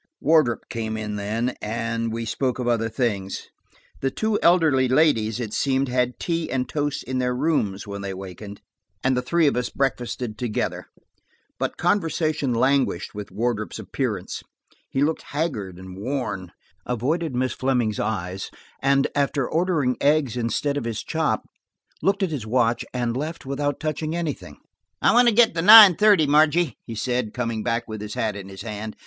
Wardrop came in then, and we spoke of other things. The two elderly ladies it seemed had tea and toast in their rooms when they wakened, and the three of us breakfasted together. But conversation languished with Wardrop's appearance; he looked haggard and worn, avoided Miss Fleming's eyes and after ordering eggs instead of his chop, looked at his watch and left without touching anything. "I want to get the nine thirty, Margie," he said, coming back with his hat in his hand.